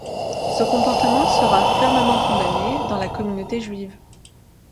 Ce comportement sera fermement condamné dans la communauté juive.